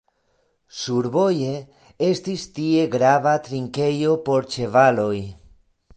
Survoje estis tie grava trinkejo por ĉevaloj.